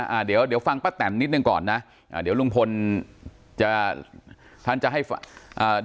อ่าเดี๋ยวเดี๋ยวฟังป้าแตนนิดหนึ่งก่อนนะอ่าเดี๋ยวลุงพลจะท่านจะให้อ่า